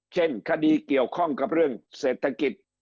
เช่นคดีเกี่ยวข้องกับเรื่องเศรษฐกิจ